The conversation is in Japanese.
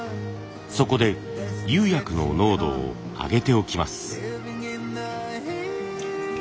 そこで釉薬の濃度を上げておきます。